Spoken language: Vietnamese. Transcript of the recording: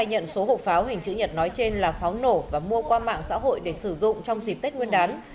hình chữ nhật nói trên là pháo nổ và mua qua mạng xã hội để sử dụng trong dịp tết nguyên đán